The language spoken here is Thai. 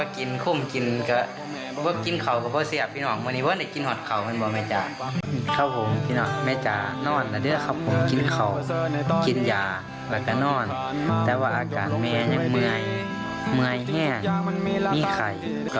กินของกินยาและก็นอนแต่ว่าอาการไหมยังเมื่อยไหมงานมีใครค่ะ